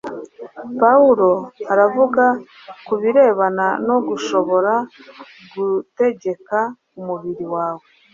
Pawulo aravuga ku birebana no gushobora gutegeka umubiri wawe,